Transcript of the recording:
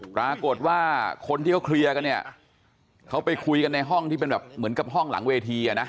ปรากฏว่าคนที่เขาเคลียร์กันเนี่ยเขาไปคุยกันในห้องที่เป็นแบบเหมือนกับห้องหลังเวทีอ่ะนะ